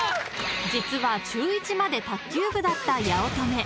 ［実は中１まで卓球部だった八乙女］